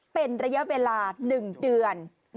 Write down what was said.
เป็นระยะเวลา๑เดือน